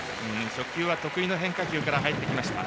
初球は得意の変化球から入りました。